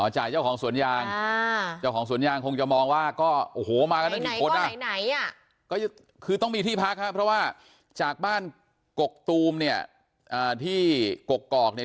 อ๋อจ่ายเจ้าของสวนยางจ่ายของสวนยางคงจะมองว่าก็โอ้โหมากันกี่คนอ่ะ